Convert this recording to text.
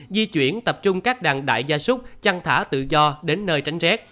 di chuyển tập trung các đàn đại gia súc chăn thả tự do đến nơi tránh rét